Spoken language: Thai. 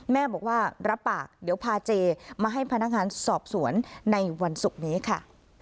แม่บอกว่ารับปากเดี๋ยวพาเจมาให้พนักงานสอบสวนในวันศุกร์นี้ค่ะ